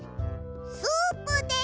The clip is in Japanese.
スープです！